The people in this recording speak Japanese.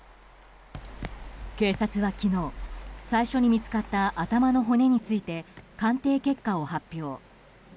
警察は昨日、最初に見つかった頭の骨について鑑定結果を発表。